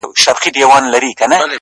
چي ياد پاته وي _ ياد د نازولي زمانې _